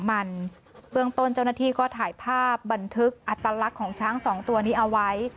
อัตลักษณ์ของช้าง๒ตัวนี้เอาไว้